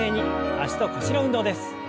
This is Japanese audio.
脚と腰の運動です。